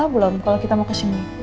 kamu ngasih tau belum kalau kita mau kesini